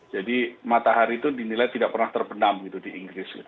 matahari itu dinilai tidak pernah terbenam gitu di inggris